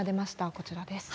こちらです。